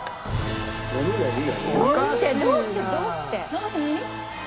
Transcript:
何？